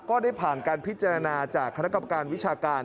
ก็ได้ผ่านการพิจารณาจากคณะกรรมการวิชาการ